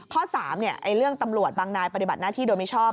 ๓เรื่องตำรวจบางนายปฏิบัติหน้าที่โดยมิชอบ